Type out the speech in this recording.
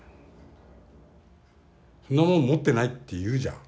「そんなもん持ってない」って言うじゃん。